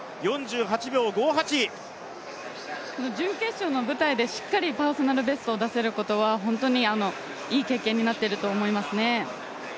準決勝の舞台でしっかりパーソナルベストを出せることは本当にいい経験になっていると思いますね。